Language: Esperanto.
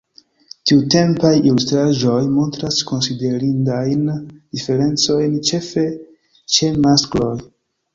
Tiutempaj ilustraĵoj montras konsiderindajn diferencojn, ĉefe ĉe maskloj.